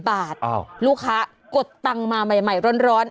บาทลูกค้ากดตังค์มาใหม่ร้อน